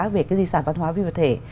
về cái di sản văn hóa viên vật thể